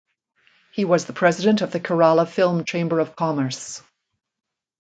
He was the president of the Kerala Film Chamber of Commerce.